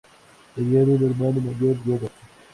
Tenían un hermano mayor, Robert.